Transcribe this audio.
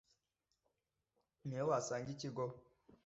Ni he wasanga Ikigo